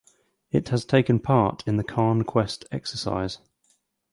It has taken part in the Khaan Quest exercise.